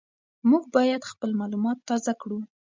موږ باید خپل معلومات تازه کړو.